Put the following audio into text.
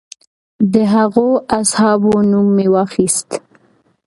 د هغو اصحابو نوم مې واخیست.